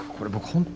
本当